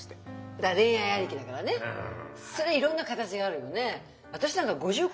だから恋愛ありきだからね。それいろんな形があるよね。